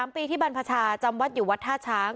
๓ปีที่บรรพชาจำวัดอยู่วัดท่าช้าง